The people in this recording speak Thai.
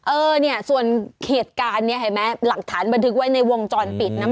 เออเนี่ยส่วนเหตุการณ์นี้เห็นไหมหลักฐานบันทึกไว้ในวงจรปิดนะ